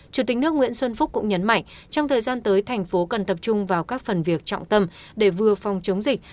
chủ tịch nước nguyễn xuân phúc cũng nhấn mạnh trong thời gian tới thành phố cần tập trung vào các phần việc trọng tâm để vừa phòng chống dịch